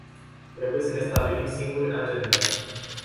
Trebuie să ne stabilim singuri agenda.